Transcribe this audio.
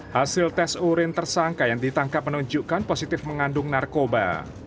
hasil tes urin tersangka yang ditangkap menunjukkan positif mengandung narkoba